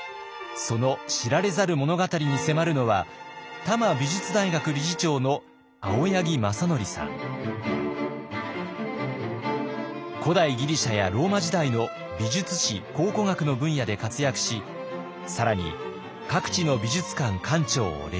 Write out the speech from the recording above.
その知られざる物語に迫るのは古代ギリシャやローマ時代の美術史考古学の分野で活躍し更に各地の美術館館長を歴任。